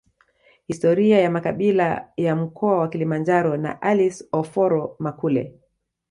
Historia ya makabila ya mkoa wa Kilimanjaro na Alice Oforo Makule